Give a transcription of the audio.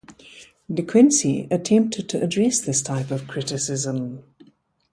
De Quincey attempted to address this type of criticism.